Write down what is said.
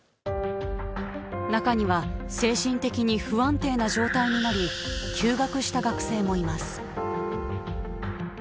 中には精神的に不安定な状態になり休学した学生もいます。